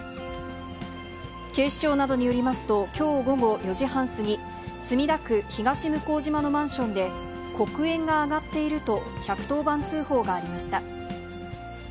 警視庁などによりますと、きょう午後４時半過ぎ、墨田区東向島のマンションで黒煙が上がっていると１１０番通報がありました。